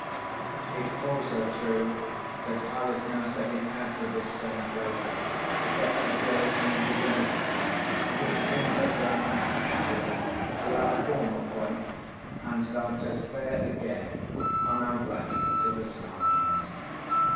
It's also true that I was now setting out for this same place, to fetch the girl in to dinner, which brings us round happily to our former point, and starts us fair again on our way to the sands.